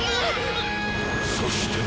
そして！